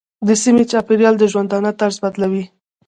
د سیمې چاپېریال د ژوندانه طرز بدلوي.